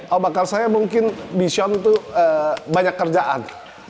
oh makanya saya mungkin bishon tuh banyak kerjaan